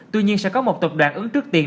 tuy nhiên sẽ có một tập đoàn ứng trước tiền